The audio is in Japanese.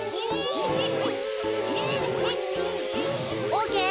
オーケー。